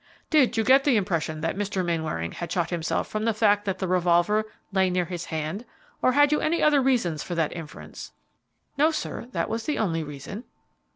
"Did you get the impression that Mr. Mainwaring bad shot himself from the fact that the revolver lay near his band, or had you any other reasons for that inference?" "No, sir, that was the only reason."